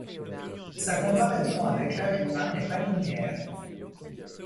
Sa comparaison avec l'âge humain n'est pas linéaire.